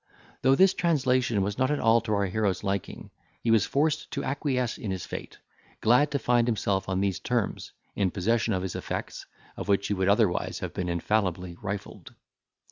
Though this translation was not at all to our hero's liking, he was forced to acquiesce in his fate, glad to find himself, on these terms, in possession of his effects, of which he would otherwise have been infallibly rifled.